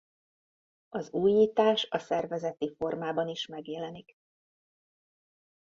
Az újítás a szervezeti formában is megjelenik.